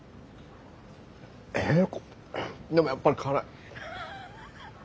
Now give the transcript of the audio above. えでもやっぱり辛い。